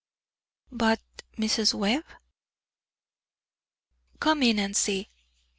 "But Mrs. Webb?" "Come in and see."